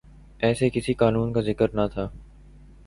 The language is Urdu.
ایسے کسی قانون کا ذکر نہ تھا۔